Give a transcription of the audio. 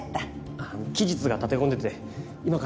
あっ期日が立て込んでて今からこれの裁判で。